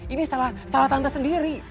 ini salah tante sendiri